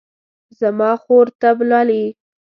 زما خور طب لولي